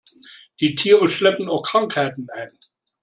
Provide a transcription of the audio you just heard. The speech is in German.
Die Tiere schleppen auch Krankheiten ein.